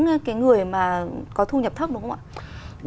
người mà có thu nhập thấp đúng không ạ